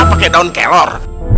pake daun kelor